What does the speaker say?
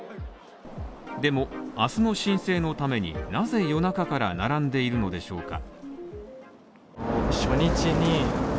でも、明日の申請のために、なぜ夜中から並んでいるのでしょうか？